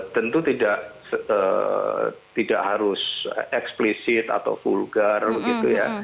tentu tidak harus eksplisit atau vulgar begitu ya